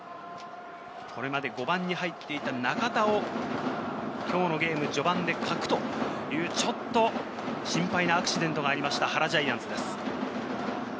これまで５番に入っていた中田を今日のゲーム序盤で欠くという、ちょっと心配なアクシデントがありました、原ジャイアンツです。